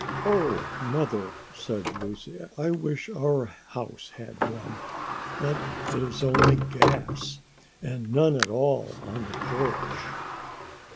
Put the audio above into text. "Oh, Mother!" said Lucy. "I wish our house had one. But it is only gas, and none at all on the porch."